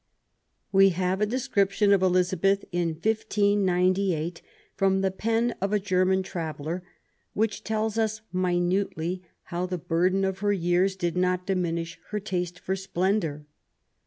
We have a description of Elizabeth in 1598 from the pen of a German traveller, which tells us minutely how the burden of her years did not diminish her taste for splendour.